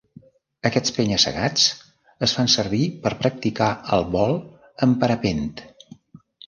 Aquests penya-segats es fan servir per practicar el vol amb parapent.